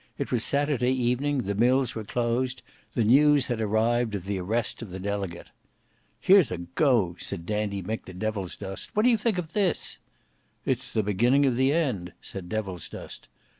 It was Saturday evening: the mills were closed; the news had arrived of the arrest of the Delegate. "Here's a go!" said Dandy Mick to Devilsdust. "What do you think of this?" "It's the beginning of the end," said Devilsdust.